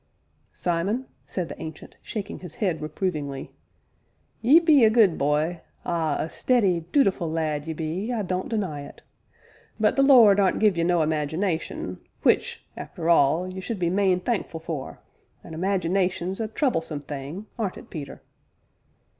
"Simon," said the Ancient, shaking his head reprovingly, "ye be a good bye ah! a steady, dootiful lad ye be, I don't deny it; but the Lord aren't give you no imagination, which, arter all, you should be main thankful for; a imagination's a troublesome thing aren't it, Peter?"